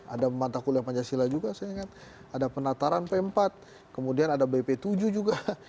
ada mata kuliah pancasila juga saya ingat ada penataran p empat kemudian ada bp tujuh juga